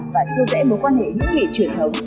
và chia rẽ mối quan hệ những nghị truyền thống